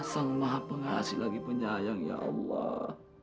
sang maha pengasih lagi penyayang ya allah